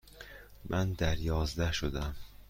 من دریازده شدهام.